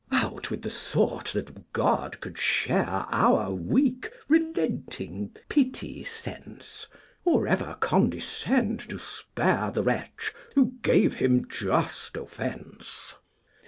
Out with the thought that God could share Our weak relenting pity sense, Or ever condescend to spare The wretch who gave Him just offence!